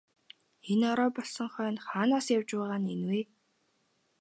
Энэ орой болсон хойно хаанаас явж байгаа нь энэ вэ?